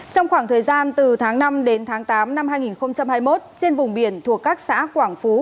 trong khoảng thời gian từ tháng năm đến tháng tám năm hai nghìn hai mươi một trên vùng biển thuộc các xã quảng phú